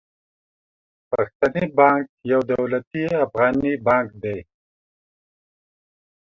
پښتني بانک يو دولتي افغاني بانک دي.